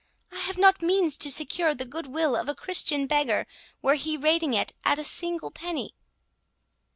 I have not means to secure the good will of a Christian beggar, were he rating it at a single penny."